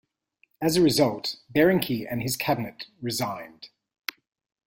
As a result, Berinkey and his cabinet resigned.